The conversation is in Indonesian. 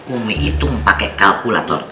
umi hitung pake kalkulator